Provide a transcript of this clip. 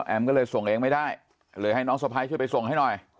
ก็เลยส่งเองไม่ได้เลยให้น้องสะพ้ายช่วยไปส่งให้หน่อย